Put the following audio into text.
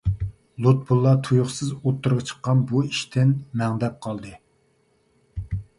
لۇتپۇللا تۇيۇقسىز ئوتتۇرىغا چىققان بۇ ئىشتىن مەڭدەپ قالدى.